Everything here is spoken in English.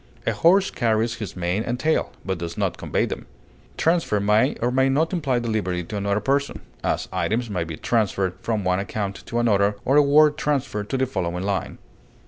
A horse carries his mane and tail, but does not convey them. Transfer may or may not imply delivery to another person; as, items may be transferred from one account to another or a word transferred to the following line.